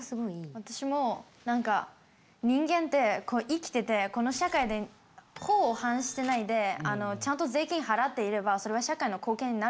私も人間って生きててこの社会で法を反してないでちゃんと税金払っていればそれは社会の貢献になるって思ってて。